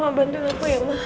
ma bantuin aku ya ma